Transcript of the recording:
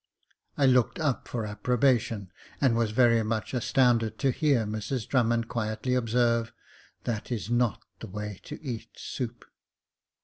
I looked up for approbation, and was very much astounded to hear Mrs Drummond quietly observe, " That is not the way to eat soup."